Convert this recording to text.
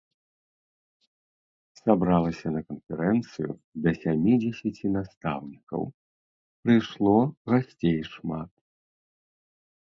Сабралася на канферэнцыю да сямідзесяці настаўнікаў, прыйшло гасцей шмат.